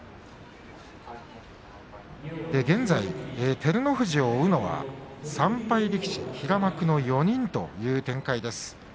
現在照ノ富士を追うのは３敗力士平幕の４人という展開です。